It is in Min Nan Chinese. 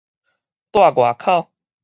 蹛外口